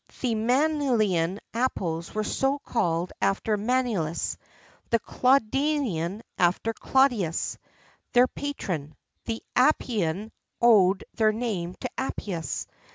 The Manlian apples were so called after Manlius; the Claudian after Claudius, their patron; the Appian owed their name to Appius.